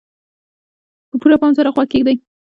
په پوره پام سره غوږ کېږدئ.